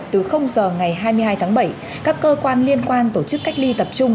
từ giờ ngày hai mươi hai tháng bảy các cơ quan liên quan tổ chức cách ly tập trung